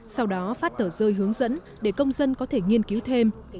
sau đó phát tờ rơi hướng dẫn để công dân có thể nghiên cứu thêm